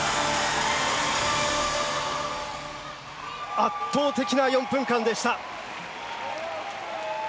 圧倒的な４分間でした。